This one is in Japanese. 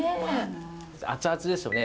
熱々ですよね。